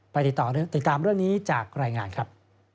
ติดตามติดตามเรื่องนี้จากรายงานครับ